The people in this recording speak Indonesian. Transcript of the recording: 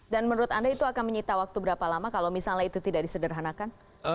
dan menurut anda itu akan menyita waktu berapa lama kalau misalnya itu tidak disederhanakan